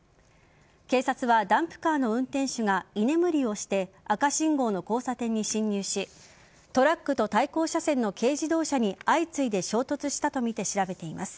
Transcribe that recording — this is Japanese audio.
警察はダンプカーの運転手が居眠りをして赤信号の交差点に進入しトラックと対向車線の軽自動車に相次いで衝突したとみて調べています。